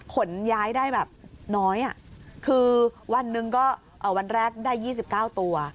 ขนย้ายได้แบบน้อยคือวันหนึ่งก็วันแรกได้๒๙ตัว